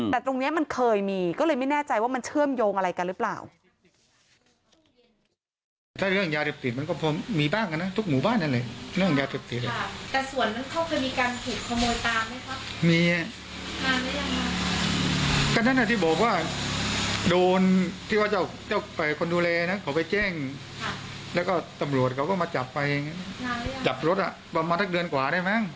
แต่ตรงนี้มันเคยมีก็เลยไม่แน่ใจว่ามันเชื่อมโยงอะไรกันหรือเปล่า